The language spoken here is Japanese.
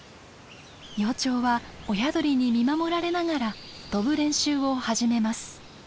幼鳥は親鳥に見守られながら飛ぶ練習を始めます。